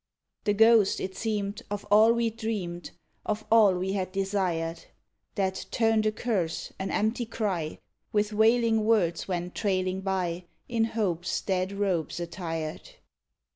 The ghost it seemed of all we'd dreamed, Of all we had desired; That turned a curse, an empty cry With wailing words went trailing by In hope's dead robes attired.